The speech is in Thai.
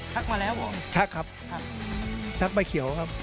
ชักมาแล้วเหรอชักครับชักใบเขียวครับ